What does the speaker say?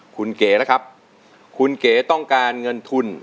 คุณเก๋ล่ะครับคุณเก๋ต้องการเงินทุน